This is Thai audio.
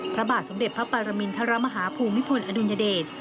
พระบาทสมเด็จพระปรมินทรมาฮาภูมิพลอดุลยเดช